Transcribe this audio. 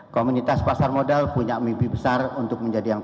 komunitas pasar modal punya mimpi besar untuk menjadi yang